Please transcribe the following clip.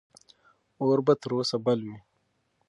اور به تر اوسه بل وي.